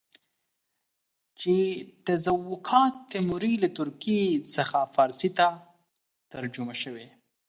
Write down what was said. چې تزوکات تیموري له ترکي څخه فارسي ته ترجمه شوی.